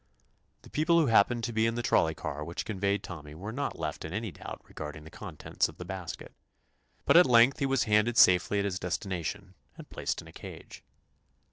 The people who happened to be in the trolley car which conveyed Tommy were not left in any doubt regarding the contents of the basket. But at length he was landed safely at his des tination and placed in a cage.